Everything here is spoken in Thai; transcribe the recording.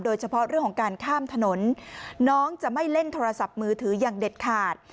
โดยเฉพาะเรื่องของการข้ามถนนน้องจะไม่เล่นโทรศัพท์มือถืออย่างเด็ดขาด